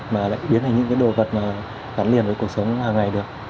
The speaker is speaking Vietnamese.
mà lại biến thành những cái đồ vật mà gắn liền với cuộc sống hàng ngày được